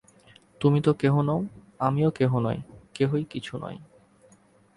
তুমি তো কেহ নও, আমিও কেহ নই, কেহই কিছু নয়।